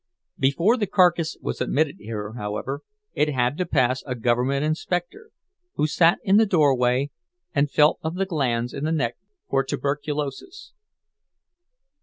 Before the carcass was admitted here, however, it had to pass a government inspector, who sat in the doorway and felt of the glands in the neck for tuberculosis.